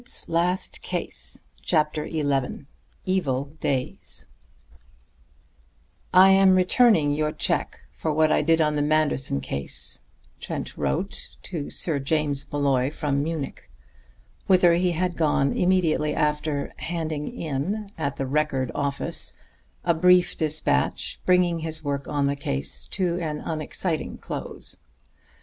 PHILIP TRENT. CHAPTER XI EVIL DAYS "I am returning the check you sent for what I did on the Manderson case," Trent wrote to Sir James Molloy from Munich, whither he had gone immediately after handing in at the Record office a brief despatch bringing his work on the case to an unexciting close.